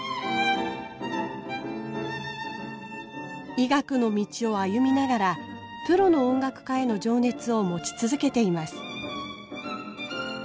医学の道を歩みながらプロの音楽家への情熱を持ち続けています。